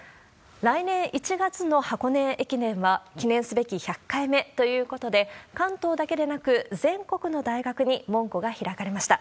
来年１月の箱根駅伝は、記念すべき１００回目ということで、関東だけでなく全国の大学に門戸が開かれました。